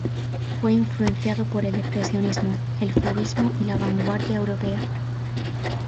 Fue influenciado por el expresionismo, el fovismo y la vanguardia europea.